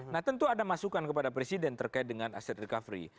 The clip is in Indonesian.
nah tentu ada masukan kepada presiden terkait dengan aset recovery